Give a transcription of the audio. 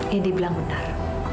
ya dibilang benar